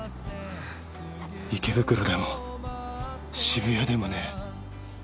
池袋でも渋谷でもねえ。